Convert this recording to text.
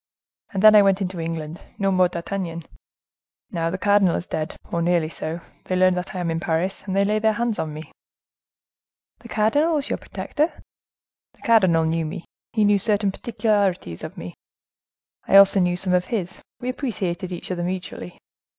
And then I went into England—no more D'Artagnan. Now, the cardinal is dead, or nearly so, they learn that I am in Paris, and they lay their hands on me." "The cardinal was your protector?" "The cardinal knew me; he knew certain particularities of me; I also knew some of his; we appreciated each other mutually.